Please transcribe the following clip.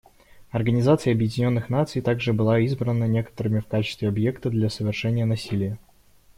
Организация Объединенных Наций также была избрана некоторыми в качестве объекта для совершения насилия.